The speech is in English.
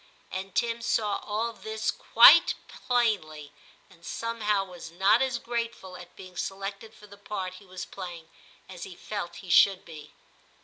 And Tim saw all this quite plainly, and somehow was not as grate ful at being selected for the part he was playing as he felt he should be.